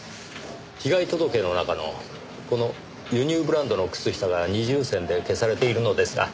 被害届の中のこの輸入ブランドの靴下が二重線で消されているのですが。